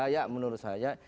ya menurut saya